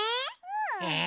え！